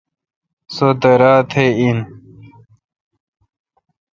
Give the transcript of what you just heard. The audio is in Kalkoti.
سو درا تہ اہن۔